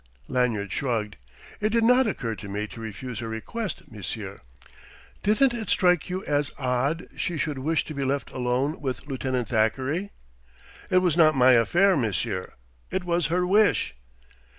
Lanyard shrugged. "It did not occur to me to refuse her request, monsieur." "Didn't it strike you as odd she should wish to be left alone with Lieutenant Thackeray?" "It was not my affair, monsieur. It was her wish."